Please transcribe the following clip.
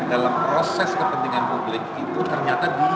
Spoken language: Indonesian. dalam proses kepentingan publik itu ternyata di